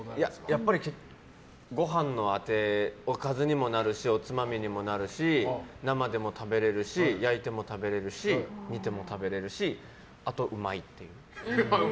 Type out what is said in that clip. やっぱりご飯のあておかずにもなるしおつまみにもなるし生でも食べられるし焼いても食べれるし煮ても食べられるしあとはうまい。